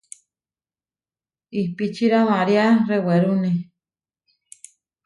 Ipíčira maria rewerúne.